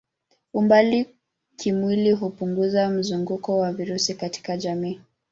Umbali kimwili hupunguza mzunguko wa virusi katika jamii.